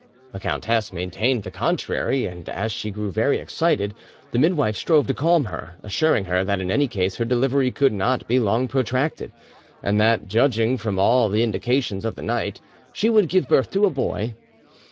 The countess maintained the contrary, and as she grew very excited, the midwife strove to calm her, assuring her that in any case her delivery could not be long protracted, and that, judging from all the indications of the night, she would give birth to a boy.